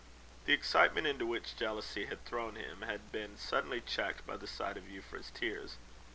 The excitement into which jealousy had thrown him, had been suddenly checked by the sight of Euphra's tears.